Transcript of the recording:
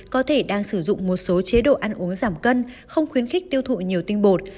có thể đang sử dụng một số chế độ ăn uống giảm cân không khuyến khích tiêu thụ nhiều tinh bột